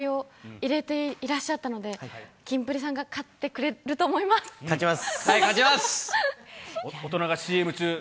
でも、ＣＭ中、すごい気合いを入れていらっしゃったので、キンプリさんが勝ってくれると思います。